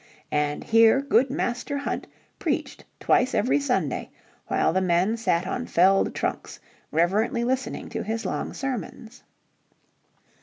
And here good Master Hunt preached twice every Sunday while the men sat on felled trunks reverently listening to his long sermons.